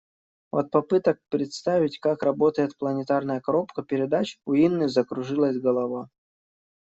От попыток представить, как работает планетарная коробка передач, у Инны закружилась голова.